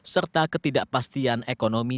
serta ketidakpastian ekonomi